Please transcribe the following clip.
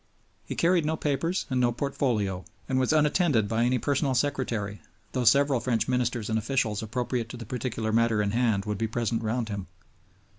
He carried no papers and no portfolio, and was unattended by any personal secretary, though several French ministers and officials appropriate to the particular matter in hand would be present round him.